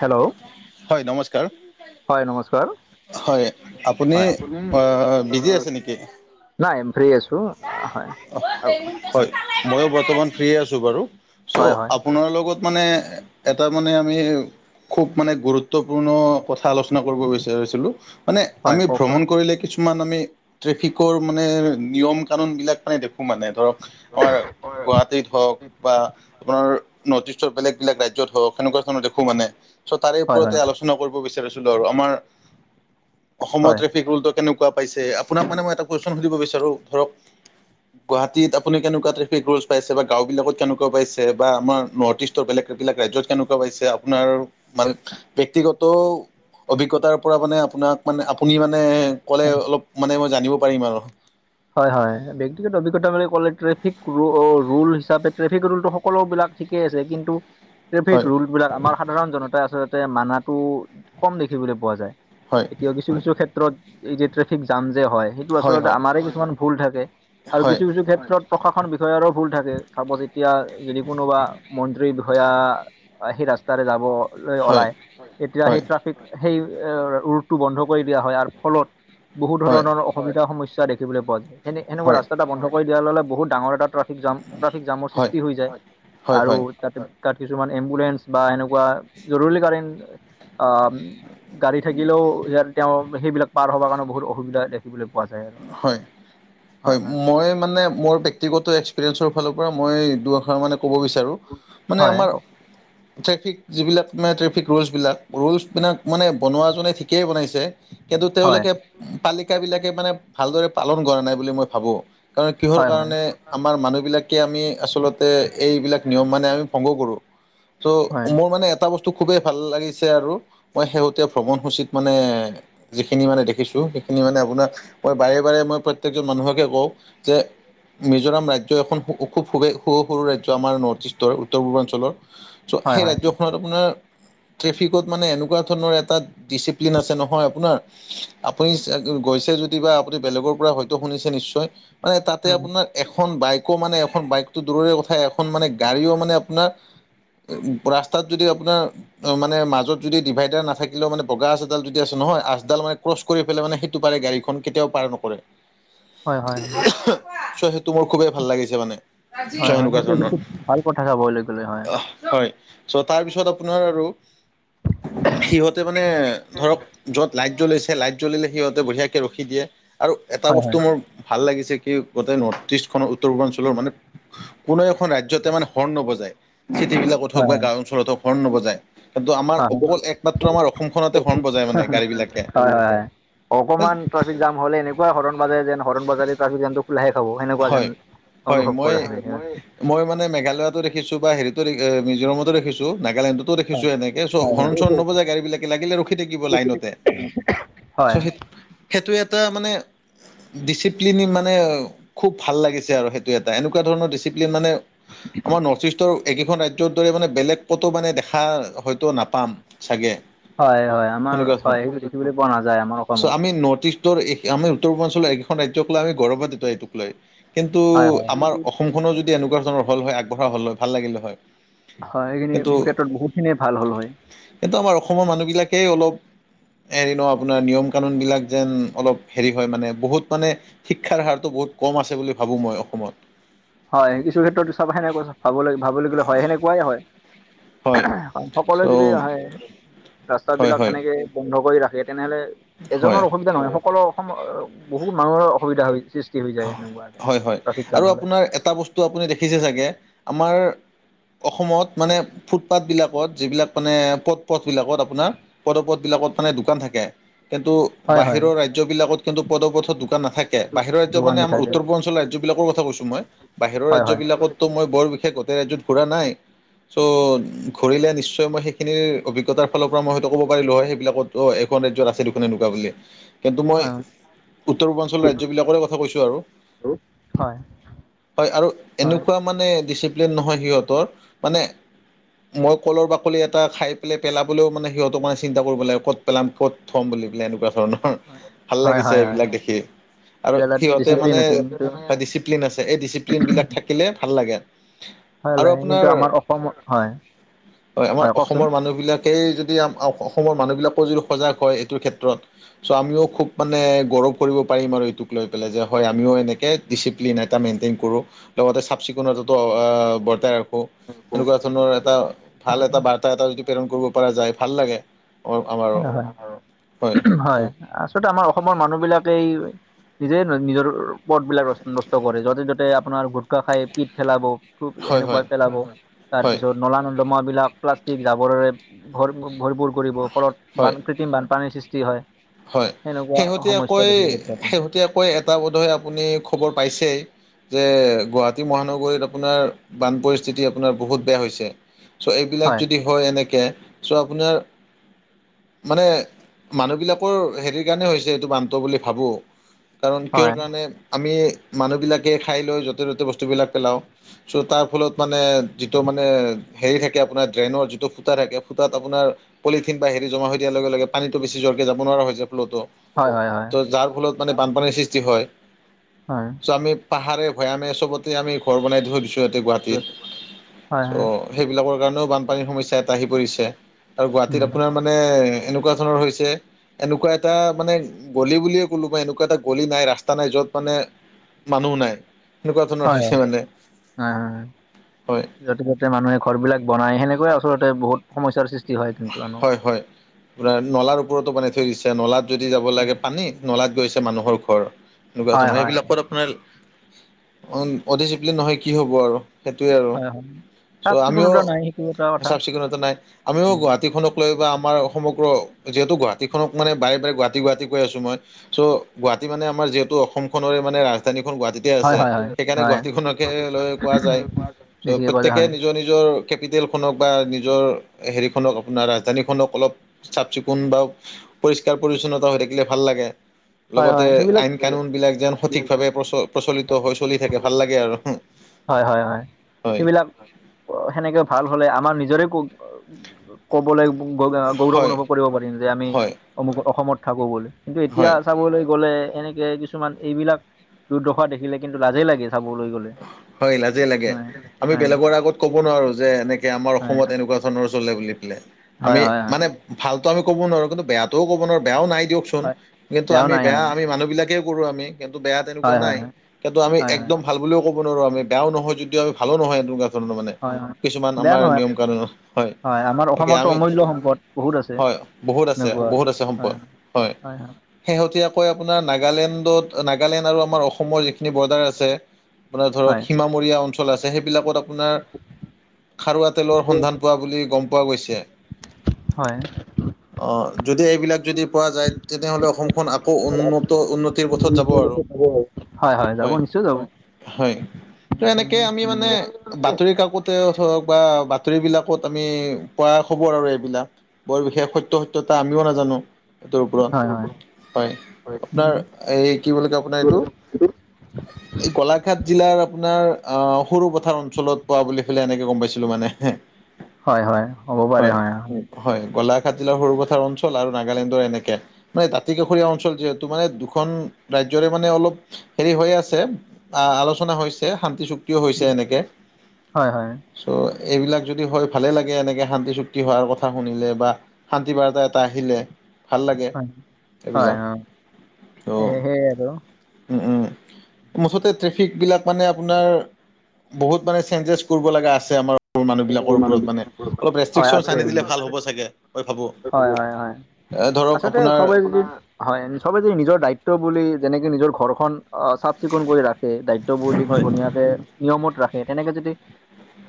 Hello হয় নমস্কাৰ। হয় নমস্কাৰ হয়, আপুনি হয় অঁ বিজি আছে নেকি? নাই ফ্ৰী আছো হয় হয়। ময়ো বৰ্তমান ফ্ৰী আছো বাৰু, চ' হয় হয় আপোনাৰ লগত মানে তাৰ মানে আমি খুব মানে গুৰুত্বপূৰ্ণ কথা আলোচনা কৰিব বিচাৰিছিলো। মানে হয় আমি কওকচোন ভ্ৰমণ কৰিলে কিছুমান আমি ট্ৰেফিকৰ মানে নিয়ম কানুনবিলাক মানে মানে ধৰক আমাৰ গুৱাহাটীত হওক বা আপোনাৰ নৰ্থ ইষ্টৰ বেলেগ - বেলেগ ৰাজ্যত হওক সেনেকুৱা ধৰণৰ দেখো মানে চ' তাৰে হয় ওপতে হয় আলোচনা কৰিব বিচাৰিছিলো আৰু আমাৰ অসমৰ হয় ট্ৰেফিক হোলটো কেনেকুৱা পাইছে? আপোনাক মানে মই এটা কোৱেচন সুধিব বিচাৰো ধৰক গুৱাহাটীত আপুনি কেনেকুৱা ট্ৰেফিক ৰোলচ পাইছে বা গাঁওবিলাকত কেনেকুৱা পাইছে বা আমাৰ নৰ্থ ইষ্টৰ বেলেগবিলাক ৰাজ্যত কেনেকুৱা পাইছে আপোনাৰ মানে ব্যক্তিগত অভিজ্ঞতাৰ পৰা মানে আপোনাক মানে আপুনি মানে ক'লে অলপ মানে মই জানিব পাৰিম আৰু হয় হয় ব্যক্তিগত অভিজ্ঞতা বুলি ক'লে ট্ৰেফিক ৰোল হিচাপে ট্ৰেফিক ৰোলটো সকলোবিলাক ঠিকেই আছে কিন্তু ট্ৰেফিক হয় ৰুল বিলাক আমাৰ সাধাৰণ জনতাই আচলতে মানাটো কম দেখিবলৈ পোৱা যায় হয় এতিয়াও কিছু কিছু ক্ষেত্ৰত এই যে ট্ৰেফিক জাম যে হয় সেইটো আচলতে আমাৰে কিছুমান ভুল থাকে আৰু হয় কিছু কিছু ক্ষেত্ৰত প্ৰশাসন বিষয়াৰো ভুল থাকে চাব যেতিয়া যদি কোনোবা মন্ত্ৰীৰ বিষয়া সেই ৰাস্তাৰে যাব ল হয় হয় ওলাই তেতিয়া সেই হয় ট্ৰফিক সেই ৰুটটো বন্ধ কৰি দিয়া হয় আৰু ফলত বহুত হয় ধৰণ অসুবিধা সমস্যা দেখিবলৈ পোৱা যায় এনে এনেকুৱা হয় ৰাস্তা এটা বন্ধ কৰি দিয়া লগে লগে বহুত ডাঙৰ এটা জাম ট্ৰেফিক জামৰ হয় সৃষ্টি হৈ যায় হয় আৰু হয় তাতে তাত কিছুমান এম্বুলেন্ঞ্চ বা এনেকুৱা জৰুৰীকালীন অ', গাড়ী থাকিলেও ইয়াৰ তেওঁ সেইবিলাক পাৰ হ'বৰ কাৰণে বহুত অসুবিধা দেখিবলৈ পোৱা যায় আৰু! হয়, হয়। মই মানে মোৰ ব্যক্তিগত এক্স ম ক ম আ [unintelligible] ট্ৰেফিক, যিবিলাক মানে ট্ৰেফিক ৰুলচবিলাক- ৰুলচবিলাক মানে বনোৱাজনে ঠিকেই বনাইছে। কিন্তু হয় তেওঁলোকে পালিকা বিলাকে মানে ভালদৰে পালন কৰা নাই বুলি মই ভাবো কাৰণ কিহৰ হয় হয় কাৰণে আমাৰ মানুহবিলাক এতিয়া আমি ম ভংগ কৰো হয় ম ম এ টো খুবেই ভাল লাগিছে আৰু মই শেহতীয়া ভ্ৰমণসূচীত মানে যিখিনি মানে দেখিছোঁ, সেইখিনি মানে আপোনাৰ মই বাৰে-বাৰে মই প্ৰত্যেকজন মানুহকে কওঁ, যে মিজোৰাম ৰাজ্য এখন খুৱ-খুৱেই সৰু-সৰু ৰাজ্য আমাৰ নৰ্থ ইষ্টৰ, উত্তৰ পূৰ্বাঞ্চলৰ। চ' হয় হয় হয় সেই ৰাজ্যখনত আপোনাৰ ট্ৰেফিকত মানে এনেকুৱা ধৰণৰ এটা ডিচিপ্লিন আছে নহয় আপোনাৰ আপুনি গৈছে যদি বা আপুনি বেলেগৰ পৰা হয়তো শুনিছে নিশ্চয় মানে তাতে আপোনাক এখন বাইকো মানে এখন বাইকতটো দূৰৰে কথা এখন মানে গাড়ীও মানে আপোনাৰ ৰাস্তাত যদি আপোনাৰ অ', মানে মাজত যদি ডিভাইডাৰ নাথাকিলেও মানে বগা আঁচডাল যদি আছে নহয়, আঁচডাল মানে ক্ৰচ কৰি পেলাই মানে সেইটো পাৰে গাড়ীখন কেতিয়াও পাৰ নকৰে হয় হয় হয় ছ সেইটো মোৰ খুবেই ভাল লাগিছে মানে ছ হয় হয় সেনেকুৱা ধৰণৰ সেইটো ভাল কথা চাবলৈ গ'লে হয় আহ হয় চ' তাৰপিছত আপোনাৰ আৰু সিহঁতে মানে ধৰক য'ত লাইট জ্বলিছে লাইট জ্বলিলে সিহঁতে বঢ়িয়াকে ৰখি ৰাখি দিয়ে আৰু এটা হয় বস্তু হয় মোৰ ভাল লাগিছে কি গোটেই নৰ্থ ইষ্টখনৰ উত্তৰ পূৰ্বাঞ্চলৰ মানে কোনো এখন ৰাজ্যতে মানে হৰ্ণ নবজায় যি টি বিলাকত হওক হয় বা হয় গাঁও অঞ্চলত হওক হৰ্ণ নবজায় কিন্তু আমাৰ হয় অকল একমাত্ৰ আমাৰ অসমখনতে হৰ্ণ বজাই মানে গাড়ী বিলাক হয় হয় অকনমান ট্ৰাফিক জাম হলে এনেকুৱা হৰণ মাৰে যেন হৰণ বাজালে ট্ৰেফিক জামটো চাব সেনেকুৱা যেন হয় হয় অনুভৱ মই কৰা হয় মই মানে মেঘালয়ো ৰাখিছোঁ হেৰিটো মিজোমতো ৰাখিছো নালেণ্ডত ফটো হয় দেখিছোঁএনেকে, চ হয় হৰন-চৰন নবজাই গাড়ী বিলাকে লাগিলে ৰখি থাকিব লাইনতে। চ' হয় সেই সেইটো এটা মানে ডিচিপ্লিন মানে খুব ভাল লাগিছে আৰু সেইটো এটা এনেকুৱা ধৰণৰ ডিচিপ্লিন মানে আমাৰ নৰ্থ ইষ্ট ত একেইখন ৰাজ্যৰ দৰে মানে বেলেগ কতো মানে দেখা হয়তো নাপাম চাগে হয় হয় আমাৰ হয় সেইটো দেখিবলৈ পোৱা নাযায় আমাৰ অসমত। এই নৰ্থ ইষ্ট। ত্তৰ আমি উত্তৰ পূৰ্বাঞ্চলৰ এইকেইখন ৰাজ্যক লৈ আমি গৌৰৱান্বিত এইটোক লৈ, কিন্তু হয় হয়। আমাৰ অসম- সকলো যদি এনেকুৱা ধৰণৰ হল হয় আগবঢ়া হল হয় ভাল লাগিল হয়। হয় সেইখিনি ক্ষেত্ৰত বহুতখিনিয়ে ভাল হ'ল হয়। এটো আমাৰ অসমৰ মানুহবিলাকেই অলপ হেৰি ন, আপোনাৰ নিয়ম- কানুনবিলাক যেন অলপ হেৰি হয় মানে বহুত মানে শিক্ষাৰ হাৰটো বহুত- কম আছে বুলি ভাবোঁ, মই অসমত। হয় কিছু ক্ষেত্ৰতো চাবাই সেনে ভাব ভাবিবলৈ হয় সেনেকুৱাই হয়। হয় সকলোৱে চ' যদি আহে- ৰাস্তা হয় বিলাক হয় সেনেকে বন্ধ কৰি ৰাখে তেনেহ'লে হয় এজনৰ অসুবিধা নহয়- সকলো অসম বহুত মানুহৰ অসুবিধা হয়। হয় হয় আৰু আপোনাৰ এটা বস্তু আপুনি দেখিছে চাগে আমাৰ- অসমত মানে ফুটপাথবিলাকত যিবিলাক মানে পথ পথবিলাকত আপোনাৰ- পদপথ বিলাকত মানে দোকান থাকে। কিন্তু- হয় হয়। বাহিৰৰ ৰাজ্যবিলাকত কিন্তু পদপথত দোকান নাথাকে বাহিৰৰ ৰাজ্য- যোগান মানে আমাৰ নুঠাই যে উত্তৰ পূৰ্বাঞ্চলৰ ৰাজ্য বিাকৰ কথা কৈছো মই, বাহিৰ হয় হয় ৰাজ্যবিলাক- কত টো মই বৰ বিশেষ গোটেই ৰাজ্যত ফুৰা নাই। চ' ঘূৰিলে নিশ্চয় মই সেইখিনিৰ অভিজ্ঞতাৰ ফালৰ পৰা মই হয়তো ক'ব পাৰিলোঁ হয় সেইবিলাকত- অ', এখন ৰাজ্যত আছে দেখোন এনেকুৱা বুলি, কিন্তু মই হয় উত্তৰ পূৰ্বাঞ্চলৰ ৰাজ্যবিলাকৰে কথা- কৈছোঁ আৰু, হয় হয় আৰু হয় এনেকুৱা- মানে ডিচিপ্লিন নহয় সিহঁতৰ মানে- মই কলৰ বাকলি এটা খাই পেলাই পেলাবলৈও মানে সিহঁতক মানে চিন্তা কৰিব লাগে ক'ত- পেলাম ক'ত থ'ম বুলি পেলাই এনেকুৱা ধৰণৰ ভাল হয় লাগিছে হয় হয় এইবিলাক দেখি আৰু- এইবিলাক এটা সিহঁতে ডিচিপ্লিন মানে আছে কিন্তু ডিচিপ্লিন আছে এই ডিচিপ্লিন বিলাক থাকিলে ভাল লাগে। হয় আৰু লাগে আপোনাৰ কিন্তু আমাৰ অসমত হয় অ আমাৰ হয় কওকচোন অসমৰ মানুহ বিলাক- সেই যদি অসমৰ মানুহবিলাকো যদি সজাগ হয় এইটোৰ ক্ষেত্ৰত। চ' আমিও খুব মানে গৌৰৱ কৰিব পাৰিম আৰু এইটোক। লৈ পেলাই যে হয় আমিও এনেকৈ ডিচিপ্লিন এটা মেইনটেইন কৰোঁ। লগতে চাফ চিকুণতো বৰ্জ্য ৰাখোঁ। হ সেনেকুৱা ধৰণৰ এটা ভাল এটা বাৰ্তা এটা যদি প্ৰেৰণ কৰিব পৰা যায় ভাল লাগে। আমাৰো হয় হয় হয়। আচলতে আমাৰ অসমৰ মানুহ বিলাকে নিজে নিজৰ- পথবিলাক নষ্ট কৰে য'তে ত'তে আপোনাৰ গুটখা খাই পিট পেলাব। খুব হয় সেনেকুৱা হয় পেলাব তাৰ হয় পিছত নলা নৰ্দ- দমাবিলাক প্লাষ্টিক জাৱৰেৰে ভৰ, ভৰপূৰ কৰিব। ফলত- হয় বান কৃত্ৰিম বানপানীৰ সৃষ্টি হয় হয় সেনেকুৱা সমস্যা দেখিবলৈ পোৱা যায়। এনেকৈ এটা বোধয়ে আপুনি খবৰ পাইছেই। যে গুৱাহাটী মহানগৰীত আপোনাৰ বান পৰিস্থিতি আপোনাৰ বহুত বেয়া হৈছে। চ' এইবিলাক যদি হয় এনেকে চ' আপোনাৰ- মানে মানুহবিলাকৰ হেৰিৰ কাৰণে হৈছে এইটো বানটো বুলি ভাবোঁ- কাৰণ কিহৰ হয় কাৰণে আমি মানুহবিলাকে খাই লৈ য'তে ত'তে বস্তুবিলাক পেলাওঁ। চ' তাৰ ফলত মানে যিটো মানে হেৰি থাকে আপোনাৰ ড্ৰেইনৰ যিটো ফুটা থাকে ফুতাত আপোনাৰ- পলিথিন বা হেৰি জমা হৈ দিয়াৰ লগে লগে পানীটো বেছি জ্বৰকৈ যাব নোৱাৰা হৈছে ফ্ল'টো। হয়' হয়' হয়'। যাৰ ফলত মানে বানপানীৰ সৃষ্টি হয়। হয়। চ' আমি পাহাৰে ভৈয়ামে চবতে আমি ঘৰ বনাই থৈ দিছোঁ ইহঁতে হয়, গুৱাহাটীত অ। হয়, সেইবিলাকৰ কাৰণেও বানপানীৰ সমস্যা এটা আহি পৰিছে, আৰু উম, গুৱাহাটীত আপোনাৰ মানে এনেকুৱা ধৰণৰ হৈছে। ছে এনেকুৱা এটা মানে গলি বুলিয়ে ক'লো মই এনেকুৱা এটা গলি নাই ৰাস্তা নাই যত মানে। মানুহ নাই এনেকুৱা ধৰণৰ হয়, হয়, হৈছে মানে হয়, হয়, হয়। হয়। য'তে ত'তে মানুহে ঘৰবিলাক বনাই সেনেকুৱে আচলতে বহুত। সমস্যাৰ সৃষ্টি হয়, কিন্তু হয় হয়। আপোনাৰ [unintelligible] নলাৰ ওপৰতো বনাই থৈ দিছে নলাত যদি যাব লাগে হয়, পানী নলাত গৈছে মানুহৰ ঘৰ। এনেকুৱা হয়, ধৰণৰ, হয়, সেইবিলাকত আপোনাৰ অডিচিপ্লিন নহয় কি হ'ব আৰু। সেইটোৱেই আৰু হয়, হয়। চাফ চ' আমিও চিকুণতা নাই সেইটো এটা কথা। চাফ চিকুণতা নাই আমিও। উম, সেইখনক লৈও বা আমাৰ সমগ্ৰ যিহেতু গুৱাহাটীখনক মানে বাৰে বাৰে গুৱাহাটী গুৱাহাটী কৈ আছো মই। চ' গুৱাহাটী মানে আমাৰ যিহেতু অসম খনেৰে মানে ৰা। ধানীখন গুৱাহাটীতে হয়, আছে হয়, হয়, সেইকাৰণে হয়, গুৱাহীখনকে লৈ কোৱা যায় বেছিকে কৰা প্ৰতেকে হয়। নিজ নিজ। জৰ কেপিটেলখনক নিজৰ হেৰিক। [inaudible] আপোনাৰ ৰাজধানীখনক অলপ চাফ চিকুণ বা। পৰিষ্কাৰ পৰিচ্ছন্নাটা হৈ থাকিলে ভাল লাগে। হয়, লগতে হয়, সেইবিলাক আইন কানুন বিলাক যেন সঠিকভাৱে প্ৰচ প্ৰচলিত হৈ চলি থাকে ভাল লাগে আৰু হো। হয় হয় হয় সেবিলাক সেনেকে ভাল হলে আমাৰ নিজৰে [inaudible] ক'বলৈ গৌৰৱ হয় অনুভৱ কৰিব পাৰিম যে আমি হয় অমুকত অসমত থাকো বুলি। কিন্তু এতিয়া হয় চাবলৈ গ'লে এনেক। কে কিছুমান এইবিলাক দুৰ্দৰ্শা দেখিলে কিন্তু লাজেই লাগে চাবলৈ গ'লে। হয় লাজেই লাগে হয় আমি হয় বেলেগৰ আগত কব নোৱাৰো যে এনেকে আমাৰ হয় অসমত এনেকুৱা। সৰু লৰা ছোৱালীলৈ বুলি পেলে হয় আমি হয় হয় মানে ভালতো আমি ক'ব নোৱাৰো কিন্তু বেয়াটোও ক'ব নোৱাৰো বেয়াও নাই দিয়ক। চোন হয় কিন্তু বেয়াও আমি নাই বেয়া হয় আমি মানুহ বিলাকে কৰো আমি। কিন্তু বেয়া তেনেকুৱা হয় নাই হয় কিন্তু আমি হয় হয় একদম ভাল বুলিও ক'ব নোৱাৰো আমি বেয়াও নহয় যদিও ভালো নহয় এনেকুৱা। [inaudible] মানে হয় হয় কিছুমান বেয়া আমাৰ নহয় নিয়ম কানুন হয় আমাৰ তাকে অসমতো আমি অমূল্য সম্পদ বহুত আছে হয় বহুত আছে এনেকুৱা বহুত আছে সম্পদ হয় হয়। শেহতীয়াকৈ আপোনাৰ নাগালেণ্ডত নাগালেণ্ড আৰু আমাৰ অসমৰ যিখিনি বৰ্ডাৰ আছে। আপোনাৰ ধৰক হয় সীমামূৰীয়া অঞ্চল আছে সেইবিলাকত আপোনাৰ খাৰুৱাত। তেলৰ সন্ধান পোৱা বুলি গম পোৱা গৈছে। হয় অঁ যদি এইবিলাক যদি পোৱা যায় তেনেহ'লে অসমখন। আকৌ উন্নত উন্নতিৰ পথত যাব আৰু [inaudible] হয় হয় যাব নিশ্চয় যাব। হয় ত এনেকে আমি মানে হয় বাতৰি কাকত। তে ধৰক বা বাতৰিবলাকত আমি পোৱা খবৰ আৰু এইবিলাক। বৰ বিশেষ সত্য সত্যতা আমিও নাজানো। এইটোৰ হয় হয় ওপৰত হয়, উম, আপোনাৰ এই কি বুলি কয় আপোনাৰ এইটো। [inaudible] এই গোলাঘাট জিলাৰ আপোনাৰ আহ সৰু পথাৰ অঞ্চলত পোৱা বুলি কেনে এনেকে গম পাইছিলো মানে। হয় হয় হ'ব পাৰে হয় [inaudible] হয় গোলাঘাট জিলাৰ সৰুপথাৰ অঞ্চল আৰু নাগালেণ্ডৰ এনেকে। মানে দাঁতি কাষৰীয়া অঞ্চল যিহেতু মানে দুখন ৰাজ্যৰে মানে অলপ হেৰি হৈ আছে। আ আলোচনা হৈছে শান্তি চুক্তিও হৈছে এনেকৈ। হয় হয়। চ' এইবিলাক যদি হয় ভালে লাগে, এনেকে শান্তি চুক্তি হোৱাৰ কথা শুনিলে বা। শান্তি বাৰ্তা এটা আহিলে। ভাল লাগে হয় সেইবিলাক হয় অ সেই অঁ, সেয়ে আৰু উম উম। মুঠতে ট্ৰেফিক বিলাক মানে আপোনাৰ বহুত মানে চেঞ্জেছ কৰিব লগা আছে আমাৰ মানুহবিলাকৰ ওপৰত মানে অলপ হয় ৰেষ্ট্ৰিক্যন আছে। আনি দিলে ভাল হ'ব চাগে মই ভাবোঁ। হয় হয় হয় এ ধৰক আচলতে আপোনাৰ চবে যদি হয় আমি চবে যদি নিজৰ দায়িত্ব বুলি যেনেকে নিজৰ ঘৰখন অ' চাফ চিকুণ কৰি ৰাখে দায়িত্ব বুলি হয় ধুনীয়াকে- নিয়মত ৰাখে তেনেকে যদি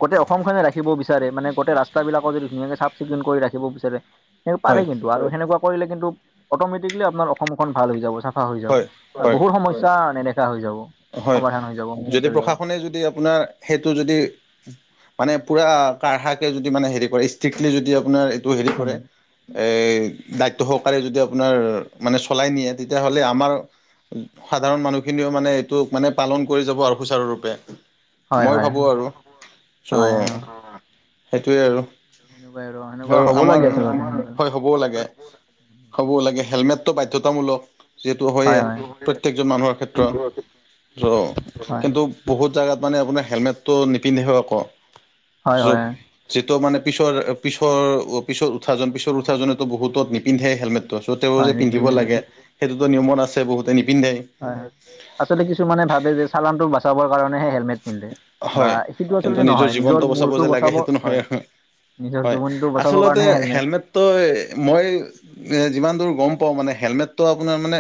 গোটেই অসম খনে ৰাখিব বিচাৰে মানে গোটেই ৰাস্তা বিলাকৰ যদি ধুনীয়াকে চাপ চিকুন কৰি ৰাখিব বিচাৰে সেই পাৰে হয় কিন্তু আৰু সেনেকুৱা কৰিলে কিন্ত অতমেটিক্লি আপোনাৰ অসমখন ভাল হৈ যাব চাফা হৈ যাব হয় হয় বহুত সমস্যা হৈ যাব। হয়, সমাধান হৈ যাব যদি সমস্যাবিলাকৰ। প্ৰশাসনে যদি আপোনাৰ সেইটো যদি মানে পূৰা কাঢ়াকৈ যদি মানে হেৰি কৰে ষ্ট্ৰিক্টলি যদি আপোনাৰ টো হেৰি কৰে এ দায়িত্ব সহকাৰে যদি আপোনাৰ মানে চলাই নিয়ে, তেতিয়াহ'লে আমাৰ সাধাৰণ মানুহখিনিও মানে এইটো মানে পালন কৰি যাব আৰু সুচাৰুৰূপে। হয় মই হয় ভাবোঁ আৰু হয় ছ' অ সেইটোৱে আৰু। সেনেকুৱাই সেনেকুৱা আৰু হ'ব আমাৰ লাগে আচলতে সোনকালে। হয়। হ'বও লাগে, হ'ব লাগে হেলমেতটো বাধ্যতামূলক যিহেতু হয়েই হয় হয় প্ৰত্যেকজন মানুহৰ ক্ষেত্ৰত। [unintelligible] হয় কিন্তু বহুত জেগাত মানে আপোনাৰ হেলমেটটো নিপিন্ধিবে আকৌ। হয় চব হয় যিটো মানে পিছৰ-পিছৰ পিছত উঠাজন পিছৰ উঠাজনেতো বহুতত নিপিন্ধে হেলমেট। তাৰপিছত তেওঁও হয় যে পিন্ধিব নিপিন্ধে লাগে হয় সেইটোতো নিয়মত আছে বহুতে নিপিন্ধে। হয় হয়, আচলতে কিছুমানে ভাবে যে চালানটো বাচাবৰ কাৰণেহে হেলমেট- পিন্ধে বা হয় সেইটো কিন্তু আচলতে নহয় নিজৰ জীৱনটো মূৰটো যে লাগে বচাব সেইটো নহয় হয়। আৰু নিজৰ জীৱনটো বচাবৰ কাৰণেহে হেলমেট। তই, মই যিমান দূৰ গম পাওঁ মানে হেলমেটটো আপোনাৰ মানে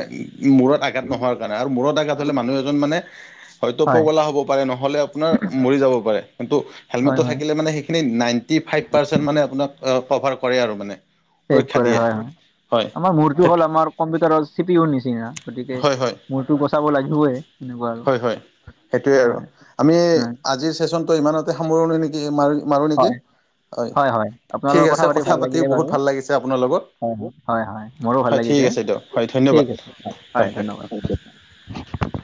মূৰত আঘাত নহোৱাৰ কাৰণে আৰু মূৰত আঘাত হ'লে মানুহ এজন মানে হয়তো হয় পগলা হ'ব পাৰে নহয়- তেওঁ আপোনাৰ মৰি যাব পাৰে কিন্তু হয় হেলমেটটো হয় থাকিলে আৰু মানে সেইখিনি নাইনটি ফাইভ পাৰচেণ্ট মানে আপোনাৰ ক'ভাৰ কৰে আৰু মানে। ছেভ সুৰক্ষা কৰে দিয়ে হয় হয়, হয় আমাৰ মূৰটো সেইটো হ'ল আমাৰ কম্পিউটাৰৰ চিপিউৰ নিচিনা। গতিকে- হয় হয় মোৰতো বচাব লাগিবই এনেকুৱা আৰু। হয় হয় সেইটোৱে হয় আৰু হয় আমি উম আজিৰ চেচনটো ইমানতে সামৰো নেকি মাৰি মাৰোঁ নেকি। হয় হয় হয়, আপোনাৰ ঠিক লগত কথা আছে পাতি ভাল লাগিলে বহুত বাৰু। ভাল লাগিছে আপোনাৰ লগত হয় হয়, মোৰো ভাল হয় ঠিক লাগিছে আছে দিয়ক হয় ধন্যবাদ ঠিক আছে, হয় হয় ধন্যবাদ থেংক ইউ। [unintelligible]